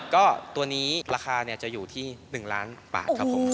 ก็ตัวนี้ราคาจะอยู่ที่๑ล้านบาทครับผม